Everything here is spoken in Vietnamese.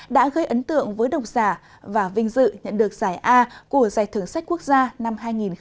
đã gây ấn tượng với đồng giả và vinh dự nhận được giải a của giải thưởng sách quốc gia năm hai nghìn hai mươi